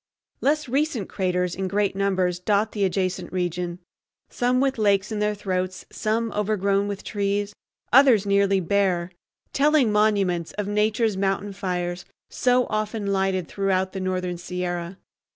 Less recent craters in great numbers dot the adjacent region, some with lakes in their throats, some overgrown with trees, others nearly bare—telling monuments of Nature's mountain fires so often lighted throughout the northern Sierra.